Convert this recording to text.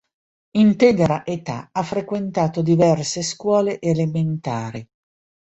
In tenera età ha frequentato diverse scuole elementari.